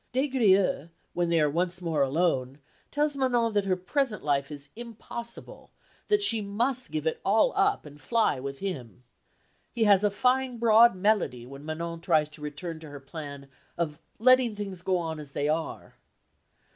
Des Grieux, when they are once more alone, tells Manon that her present life is impossible, that she must give it all up and fly with him. He has a fine broad melody when Manon tries to return to her plan of letting things go on as they are.